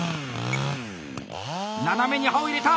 斜めに刃を入れた！